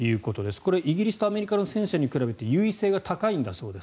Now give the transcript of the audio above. これ、イギリスとアメリカの戦車に比べて優位性が高いんだそうです。